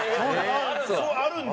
あるんだ？